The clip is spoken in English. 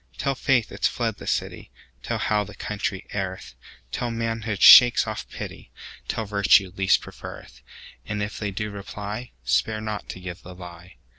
Tell faith it's fled the city; Tell how the country erreth; Tell, manhood shakes off pity; Tell, virtue least preferreth:And if they do reply, Spare not to give the lie.